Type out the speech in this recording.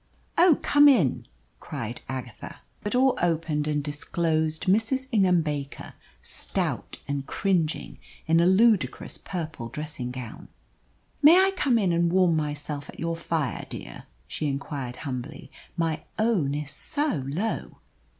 "Oh, come in!" cried Agatha. The door opened and disclosed Mrs. Ingham Baker, stout and cringing, in a ludicrous purple dressing gown. "May I come and warm myself at your fire, dear?" she inquired humbly; "my own is so low."